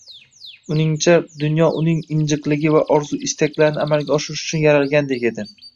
Uningcha dunyo uning injiqligi va orzu-istaklarini amalga oshirish uchun yaralgandek edi.